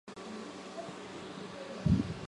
顺天府乡试第五十名。